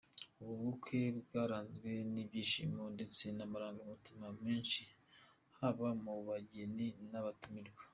Ubu bukwe bwaranzwe n’ibyishimo ndetse n’amarangamutima menshi haba mu bageni n’abatumirwa.